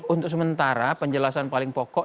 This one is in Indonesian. untuk sementara penjelasan paling pokok